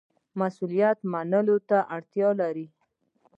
مسوولیت منلو ته اړتیا لري